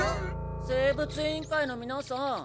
生物委員会のみなさん。